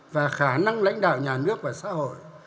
và khả năng lãnh đạo nhà nước và xã hội